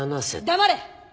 黙れ！